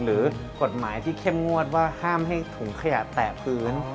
หรือกฎหมายที่เข้มงวดว่าห้ามให้ถุงขยะแตะพื้น